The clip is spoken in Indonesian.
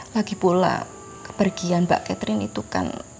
lagi pula kepergian mbak catherine itu kan